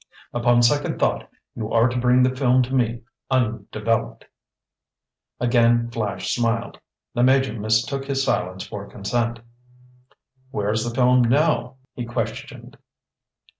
Upon second thought, you are to bring the film to me undeveloped." Again Flash smiled. The Major mistook his silence for consent. "Where is the film now?" he questioned.